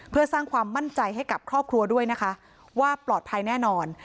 เพื่อสร้างความมั่นใจให้กับครอบครัวด้วยนะคะว่าปลอดภัยแน่นอน